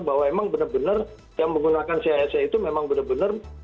bahwa memang benar benar yang menggunakan cisa itu memang benar benar